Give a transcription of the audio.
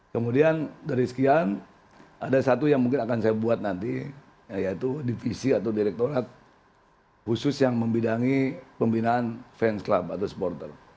kemudian dari sekian ada satu yang mungkin akan saya buat nanti yaitu divisi atau direkturat khusus yang membidangi pembinaan fans club atau supporter